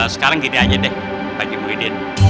sekarang gini aja deh pak jemuridin